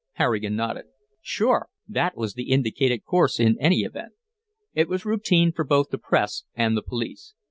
Harrigan nodded. "Sure. That was the indicated course, in any event. It was routine for both the press and the police.